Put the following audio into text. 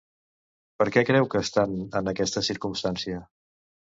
Per què creu que estan en aquesta circumstància?